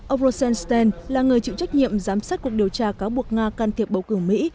ông rosenstein là người chịu trách nhiệm giám sát cuộc điều tra cáo buộc nga can thiệp bầu cử mỹ